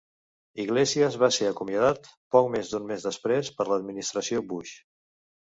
Iglesias va ser acomiadat poc més d'un mes després per l'administració Bush.